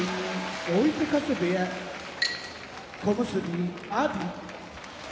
追手風部屋小結・阿炎